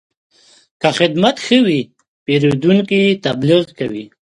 که خدمت ښه وي، پیرودونکی تبلیغ کوي.